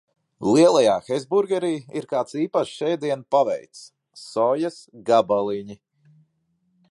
Lielajā Hesburgerī ir kāds īpašs ēdiena paveids - sojas gabaliņi.